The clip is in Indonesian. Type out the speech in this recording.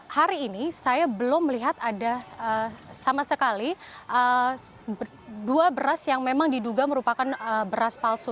hari ini saya belum melihat ada sama sekali dua beras yang memang diduga merupakan beras palsu